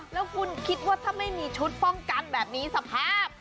แล้วคุณคิดว่าถ้าไม่มีชุดป้องกันแบบนี้สภาพ